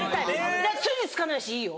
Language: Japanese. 筋つかないしいいよ。